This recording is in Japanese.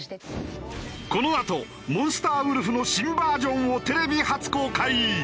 このあとモンスターウルフの新バージョンをテレビ初公開。